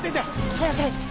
早く早く！